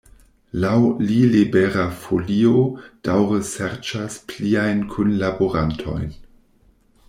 Laŭ li Libera Folio daŭre serĉas pliajn kunlaborantojn.